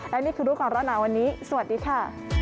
และนี่คือรูปของเราในวันนี้สวัสดีค่ะ